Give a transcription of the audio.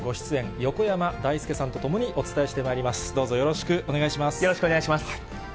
よろしくお願いします。